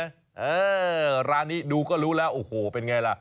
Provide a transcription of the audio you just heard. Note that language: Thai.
เออร้านนี้ดูก็รู้แล้วโอ้โหเป็นไงล่ะ